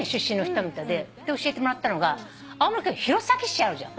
教えてもらったのが青森県の弘前市あるじゃん。